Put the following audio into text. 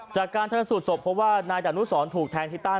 จากการชนสูตรศพเพราะว่านายดานุสรถูกแทงที่ใต้